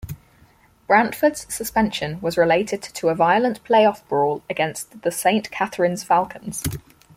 Brantford's suspension was related to a violent playoff brawl against the Saint Catharines Falcons.